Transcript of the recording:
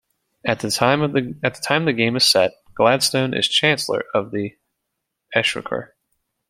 At the time the game is set, Gladstone is Chancellor of the Exchequer.